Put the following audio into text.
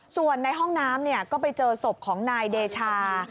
ส่วนในห้องน้ำก็ไปเจอศพของนายเดชา